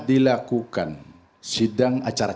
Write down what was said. dilakukan sidang acara